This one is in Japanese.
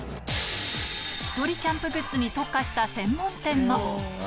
ひとりキャンプグッズに特化した専門店も。